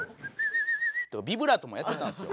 ビブラートもやってたんですよ。